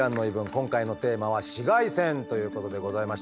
今回のテーマは「紫外線」ということでございまして。